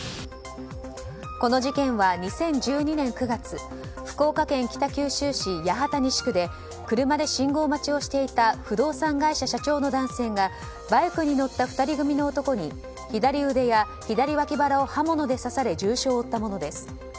この事件は２０１２年９月福岡県北九州市八幡西区で車で信号待ちをしていた不動産会社社長の男性がバイクに乗った２人組の男に左腕や左わき腹を刃物で刺され重傷を負ったものです。